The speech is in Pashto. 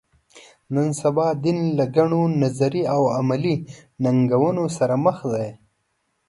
نن سبا دین له ګڼو نظري او عملي ننګونو سره مخ دی.